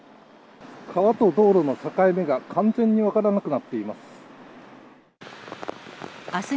川と道路の境目が完全に分からなくなっています。